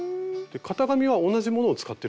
型紙は同じものを使ってるんですか？